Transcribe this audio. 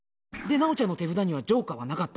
直ちゃんの手札にはジョーカーはなかった。